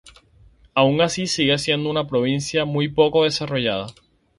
Aun así sigue siendo una provincia muy poco desarrollada.